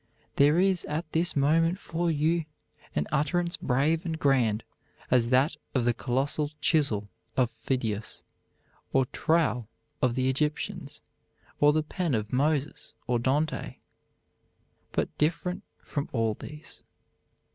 There is at this moment for you an utterance brave and grand as that of the colossal chisel of Phidias, or trowel of the Egyptians, or the pen of Moses or Dante, but different from all these."